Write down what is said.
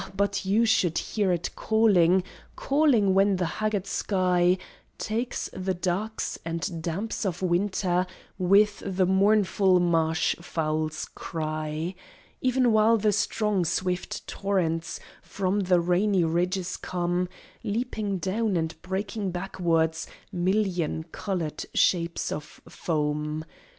but you should hear it calling, calling when the haggard sky Takes the darks and damps of Winter with the mournful marsh fowl's cry; Even while the strong, swift torrents from the rainy ridges come Leaping down and breaking backwards million coloured shapes of foam!